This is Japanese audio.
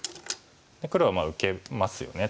黒はまあ受けますよね。